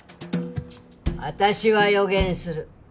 私は予言する